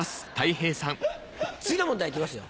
次の問題いきますよ。